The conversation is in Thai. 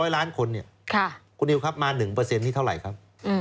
๑๒๐๐ล้านคนคุณนิวครับมา๑นี่เท่าไรครับ